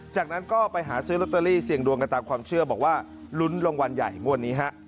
จากนั้นก็ไปหาซื้อลอตเตอรี่เสี่ยงดวงกันตามความเชื่อบอกว่าลุ้นรางวัลใหญ่งวดนี้ฮะ